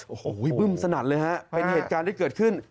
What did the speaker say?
โอ้โหบึ้มสนัดเลยฮะเป็นเหตุการณ์ที่เกิดขึ้น